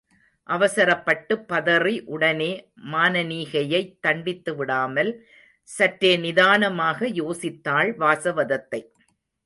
அவசரப்பட்டுப் பதறி உடனே மானனீகையைத் தண்டித்துவிடாமல், சற்றே நிதானமாக யோசித்தாள் வாசவதத்தை.